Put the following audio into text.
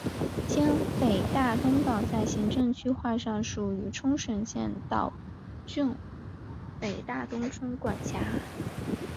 今北大东岛在行政区划上属于冲绳县岛尻郡北大东村管辖。